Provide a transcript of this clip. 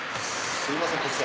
すみません